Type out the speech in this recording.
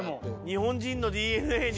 日本人のＤＮＡに？